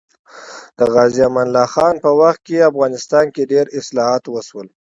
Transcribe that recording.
د غازي امان الله خان په وخت کې افغانستان کې ډېر اصلاحات وشول